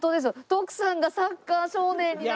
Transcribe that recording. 徳さんがサッカー少年になってる。